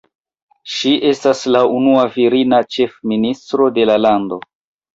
Ŝi estas la unua virina ĉefministro de la lando.